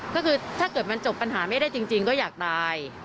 ก็คือถ้าเกิดมันจบปัญหาไม่ได้จริงก็อยากตาย